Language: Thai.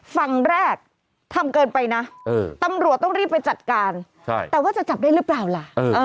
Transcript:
ฝั่งแรกทำเกินไปนะตำรวจต้องรีบไปจัดการแต่ว่าจะจับได้หรือเปล่าล่ะ